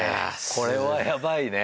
これはヤバいね。